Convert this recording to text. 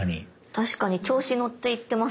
確かに調子乗って行ってます